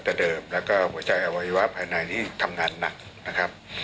แต่เดิมแล้วก็หัวใจอวัยวะภายในนี่ทำงานหนักนะครับ